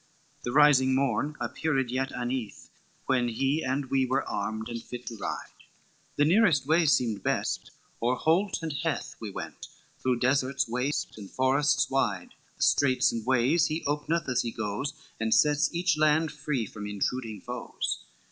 The rising morn appeared yet aneath, When he and we were armed, and fit to ride, The nearest way seemed best, o'er hold and heath We went, through deserts waste, and forests wide, The streets and ways he openeth as he goes, And sets each land free from intruding foes.